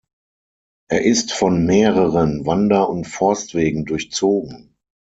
Er ist von mehreren Wander- und Forstwegen durchzogen.